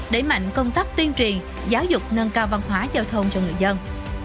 đẩy mạnh công tác tuyên truyền giáo dục nâng cao văn hóa giao thông cho người dân